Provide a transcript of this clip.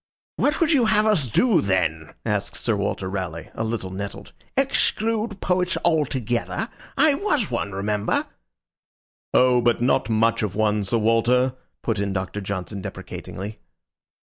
"What would you have us do, then?" asked Sir Walter Raleigh, a little nettled. "Exclude poets altogether? I was one, remember." "Oh, but not much of one, Sir Walter," put in Doctor Johnson, deprecatingly.